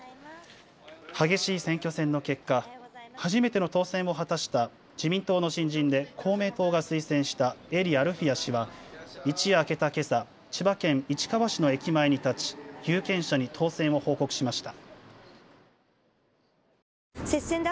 激しい選挙戦の結果、初めての当選を果たした自民党の新人で公明党が推薦した英利アルフィヤ氏は一夜明けたけさ、千葉県市川市の駅前に立ち有権者に当選を報告しました。